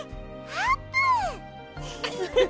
あーぷん！